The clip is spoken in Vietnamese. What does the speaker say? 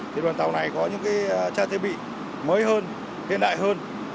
thì đoàn tàu này có những trang thiết bị mới hơn hiện đại hơn